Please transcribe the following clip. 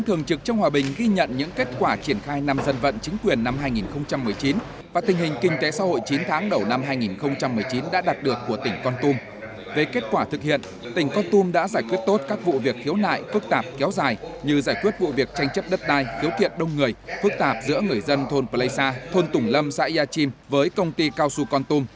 đồng chí trương hòa bình ủy viên bộ chính trị phó thủ tướng thường trực chính phủ và đoàn công tác đã có buổi làm việc với tỉnh con tum về kết quả triển khai năm dân vận chính quyền hai nghìn một mươi chín và tình hình kinh tế xã hội an ninh trật tự phòng chống buồn lậu gian lận thương mại và hàng giả năm hai nghìn một mươi chín trên địa bàn tỉnh con tum